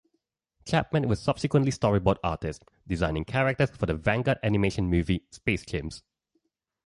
Chapman was subsequently storyboard artist, designing characters for the Vanguard Animation movie "Space Chimps".